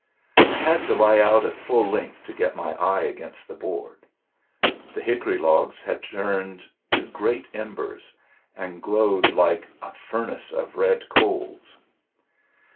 I had to lie out at full length to get my eye against the board. The hickory logs had turned to great embers and glowed like a furnace of red coals.